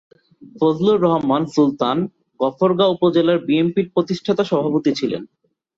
ফজলুর রহমান সুলতান গফরগাঁও উপজেলা বিএনপির প্রতিষ্ঠাতা সভাপতি ছিলেন।